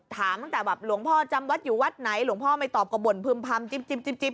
ตั้งแต่แบบหลวงพ่อจำวัดอยู่วัดไหนหลวงพ่อไม่ตอบก็บ่นพึ่มพำจิ๊บ